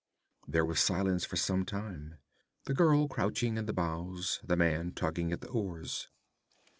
There was silence for some time, the girl crouching in the bows, the man tugging at the oars.